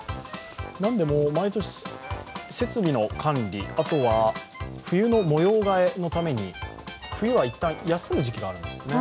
なんでも、毎年、設備の管理、冬の模様替えのために冬は一旦、休む時期があるんですね